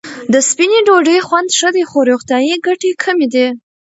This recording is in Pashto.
د سپینې ډوډۍ خوند ښه دی، خو روغتیايي ګټې کمې دي.